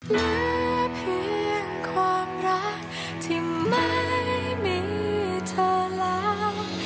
เหลือเพียงความรักที่ไม่มีเธอแล้ว